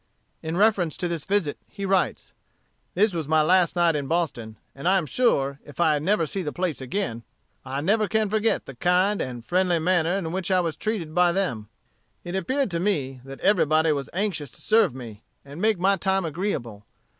In reference to this visit, he writes: "This was my last night in Boston, and I am sure, if I never see the place again, I never can forget the kind and friendly manner in which I was treated by them. It appeared to me that everybody was anxious to serve me, and make my time agreeable.